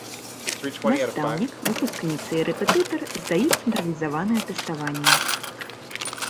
Настаўнік, выпускніца і рэпетытар здаюць цэнтралізаванае тэставанне.